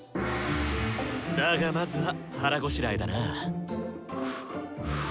だがまずは腹ごしらえだな。